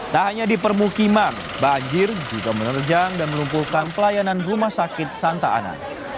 tak hanya di permukiman banjir juga menerjang dan melumpuhkan pelayanan rumah sakit santa ana